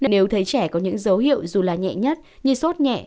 nếu thấy trẻ có những dấu hiệu dù là nhẹ nhất như sốt nhẹ